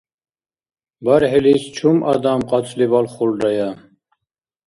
БархӀилис чум адам кьацӀли балхулрая?